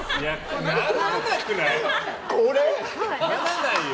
これ？ならないよ！